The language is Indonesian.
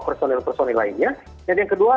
personil personil lainnya dan yang kedua